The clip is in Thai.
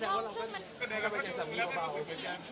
พี่ป๊อปก็ได้กลับไปเห็นสามีเบาไปกัน